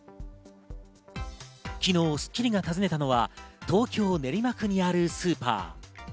昨日『スッキリ』が訪ねたのは東京・練馬区にあるスーパー。